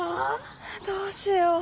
どうしよう。